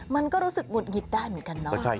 มันก็รู้สึกหงุดหงิดตามีกันเนอะ